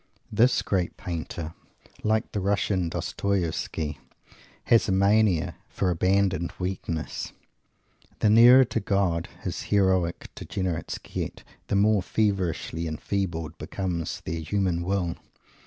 This great painter, like the Russian Dostoivsky, has a mania for abandoned weakness. The nearer to God his heroic Degenerates get, the more feverishly enfeebled becomes their human will.